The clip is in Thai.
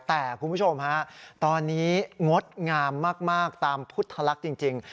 แต่คุณผู้ชมฮะตอนนี้งดงามมากตามพุทธลักษณ์จริง